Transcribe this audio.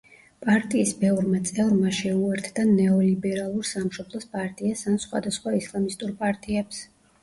პარტიის ბევრმა წევრმა შეუერთდა ნეოლიბერალურ სამშობლოს პარტიას ან სხვადასხვა ისლამისტურ პარტიებს.